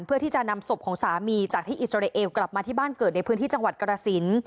เพื่อที่จะนำศพของสามีจากที่อิสราเอลกลับมาที่บ้านเกิดในพื้นที่จังหวัดกรสิน